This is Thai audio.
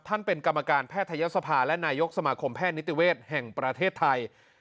เป็นกรรมการแพทยศภาและนายกสมาคมแพทย์นิติเวศแห่งประเทศไทย